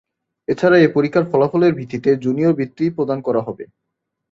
এছাড়া এ পরীক্ষার ফলাফলের ভিত্তিতে জুনিয়র বৃত্তি প্রদান করা হবে।